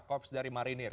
korps dari marinir